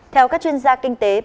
theo các chuyên gia kinh tế